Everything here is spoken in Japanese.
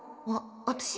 私？